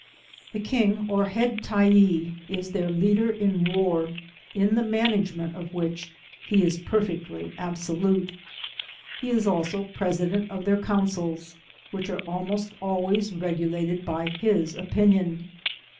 The king, or head Tyee, is their leader in war, in the management of which he is perfectly absolute. He is also president of their councils, which are almost always regulated by his opinion.